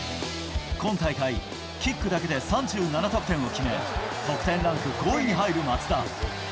今大会、キックだけで３７得点を決め、得点ランク５位に入る松田。